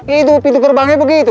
itu pintu terbangnya begitu